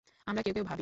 আমরা কেউ কেউ ভাবি।